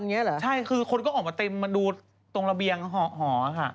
ใช่คือคนก็ออกมาเต็มมาดูตรงระเบียงหอค่ะ